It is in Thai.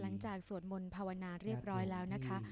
สวดมนต์ภาวนาเรียบร้อยแล้วนะคะ